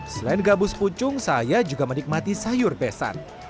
selain gabus pucung saya juga menikmati sayur besan